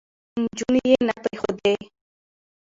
نجونې يې نه پرېښودې،